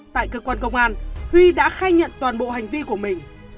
tại cơ quan công an huy đã khai nhận toàn bộ hành vi của mình